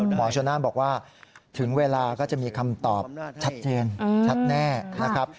หมอชนน่านบอกว่าถึงเวลาก็จะมีคำตอบชัดเจนชัดแน่นะครับ